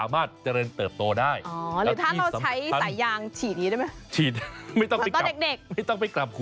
ไม่ต้องไปกลับหัวชีบปะไม่ต้องกลับหัว